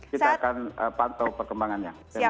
kita akan pantau perkembangannya